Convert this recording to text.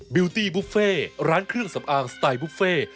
ิวตี้บุฟเฟ่ร้านเครื่องสำอางสไตล์บุฟเฟ่